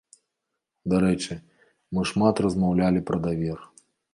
Дарэчы, мы шмат размаўлялі пра давер.